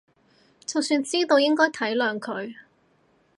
就算知道應該體諒佢